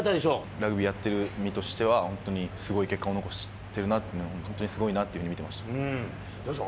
ラグビーやってる身としては、本当にすごい結果を残してるなっていうのは、本当にすごいなといどうでしょう？